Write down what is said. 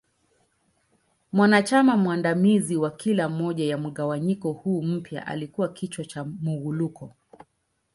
Mwanachama mwandamizi wa kila moja ya mgawanyiko huu mpya alikua kichwa cha Muwuluko.